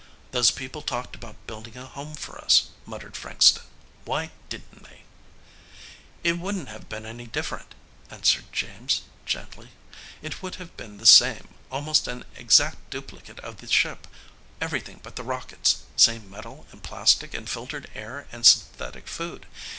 "Those people talked about building a home for us," muttered Frankston. "Why didn't they?" "It wouldn't have been any different," answered James gently. "It would have been the same, almost an exact duplicate of the ship, everything but the rockets. Same metal and plastic and filtered air and synthetic food.